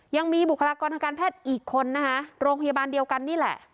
ยังมีบุคลากรทางการแพทย์อีกคนนะคะโรงพยาบาลเดียวกันนี่แหละ